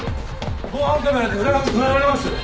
防犯カメラで浦上捉えられます？